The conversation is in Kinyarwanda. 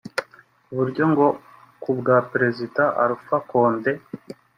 ku buryo ngo kubwa Perezida Alpha Condé